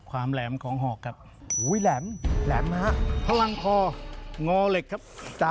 ความแหลมของหอกครับ